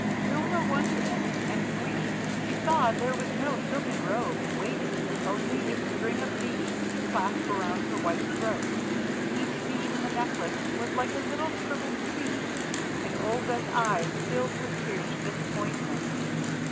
To her wonderment and grief she saw there was no silken robe in waiting, only a string of beads to clasp around her white throat. Each bead in the necklace was like a little shrivelled seed, and Olga's eyes filled with tears of disappointment.